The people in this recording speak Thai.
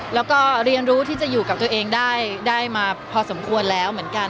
แล้วก็เรียนรู้ที่จะอยู่กับตัวเองได้มาพอสมควรแล้วเหมือนกัน